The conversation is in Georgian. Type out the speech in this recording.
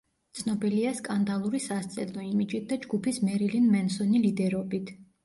ცნობილია სკანდალური სასცენო იმიჯით და ჯგუფის „მერილინ მენსონი“ ლიდერობით.